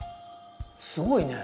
すごいね。